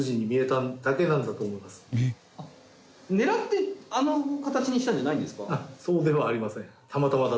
狙ってあの形にしたんじゃないんですか？